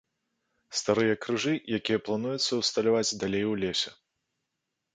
Старыя крыжы, якія плануецца ўсталяваць далей у лесе.